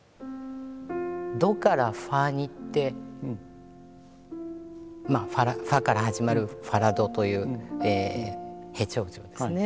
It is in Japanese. ドからファにいってファから始まるファラドというヘ長調ですね